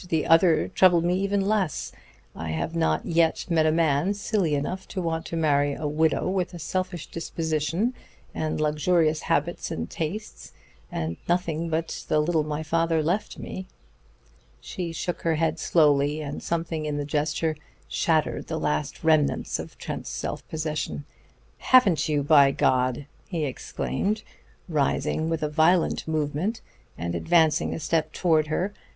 "The other kind trouble me even less. I have not yet met a man silly enough to want to marry a widow with a selfish disposition, and luxurious habits and tastes, and nothing but the little my father left me." She shook her head slowly, and something in the gesture shattered the last remnants of Trent's self possession. "Haven't you, by God!" he exclaimed, rising with a violent movement and advancing a step towards her.